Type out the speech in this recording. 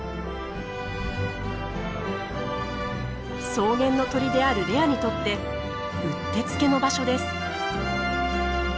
草原の鳥であるレアにとってうってつけの場所です。